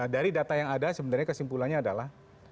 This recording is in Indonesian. dari data yang ada sebenarnya kesimpulannya adalah